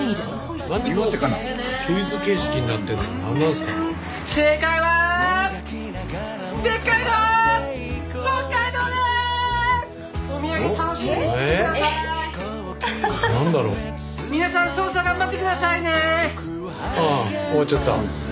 ああ終わっちゃった。